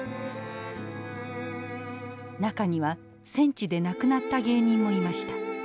中には戦地で亡くなった芸人もいました。